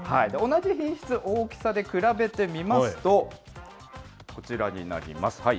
同じ品質、大きさで比べてみますと、こちらになります。